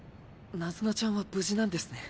ナズナちゃんは無事なんですね。